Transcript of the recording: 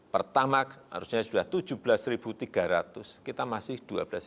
pertama harusnya sudah tujuh belas tiga ratus kita masih dua belas tiga ratus